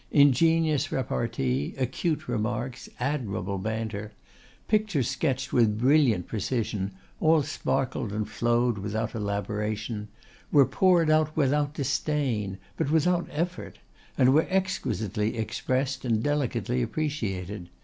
Ingenious repartee, acute remarks, admirable banter, pictures sketched with brilliant precision, all sparkled and flowed without elaboration, were poured out without disdain, but without effort, and were exquisitely expressed and delicately appreciated.